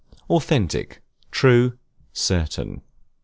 ] Authentic, true, certain.